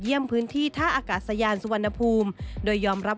เป็นอย่างไรนั้นติดตามจากรายงานของคุณอัญชาฬีฟรีมั่วครับ